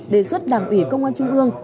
đề xuất đảng ủy công an trung ương